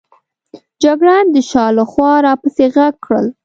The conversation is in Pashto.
جګړن د شا له خوا را پسې ږغ کړل.